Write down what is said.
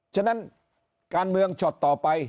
ฉะนั้นการเมืองช็อตต่อไป